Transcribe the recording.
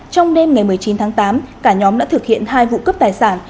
trong đêm ngày một mươi chín tháng tám cả nhóm đã thực hiện hai vụ cướp tài sản